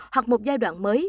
hoặc một giai đoạn mới